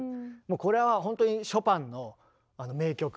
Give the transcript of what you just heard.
もうこれはほんとにショパンの名曲。